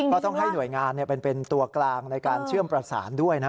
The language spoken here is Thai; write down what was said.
ต้องให้หน่วยงานเป็นตัวกลางในการเชื่อมประสานด้วยนะ